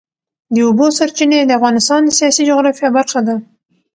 د اوبو سرچینې د افغانستان د سیاسي جغرافیه برخه ده.